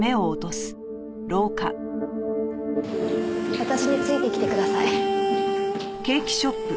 私についてきてください。